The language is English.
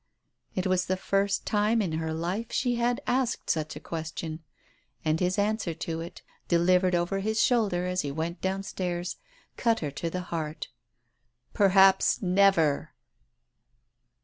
It was the first time in her life she had asked such a question, and his answer to it, delivered over his shoulder as he went downstairs, cut her to the heart. " Perhaps never